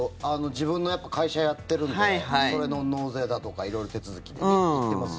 自分の会社やってるんでそれの納税だとか色々手続きで行ってます。